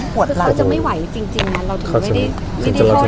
ภาษาสนิทยาลัยสุดท้าย